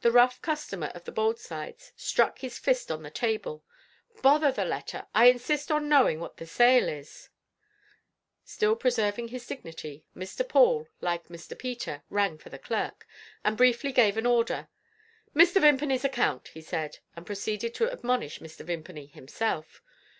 The rough customer of the Boldsides struck his fist on the table. "Bother the letter! I insist on knowing what the sale is." Still preserving his dignity, Mr. Paul (like Mr. Peter) rang for the clerk, and briefly gave an order. "Mr. Vimpany's account," he said and proceeded to admonish Mr. Vimpany himself.